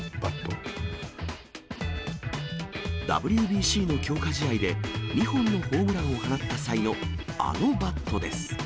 ＷＢＣの強化試合で、２本のホームランを放った際のあのバットです。